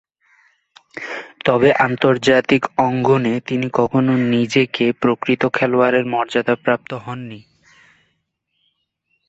তবে, আন্তর্জাতিক অঙ্গনে তিনি কখনো নিজেকে প্রকৃত খেলোয়াড়ের মর্যাদাপ্রাপ্ত হননি।